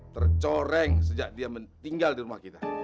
tercoreng sejak dia tinggal di rumah kita